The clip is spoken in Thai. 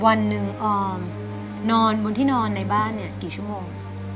วันหนึ่งออมนอนบนที่นอนในบ้านเนี่ยกี่ชั่วโมง